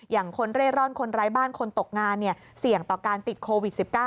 คนเร่ร่อนคนไร้บ้านคนตกงานเสี่ยงต่อการติดโควิด๑๙